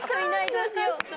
どうしよう。